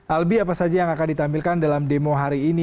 albi apa saja yang akan ditampilkan dalam demo hari ini